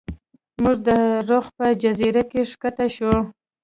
موږ د رخ په جزیره کې ښکته شو.